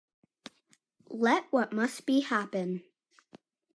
Let what must be, happen.